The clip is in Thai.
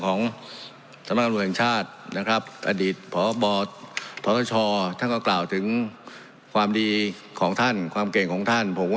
สูงสูงสูงสูงสูงสูงสูงสูงสูงสูงสูงสูง